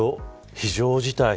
非常事態。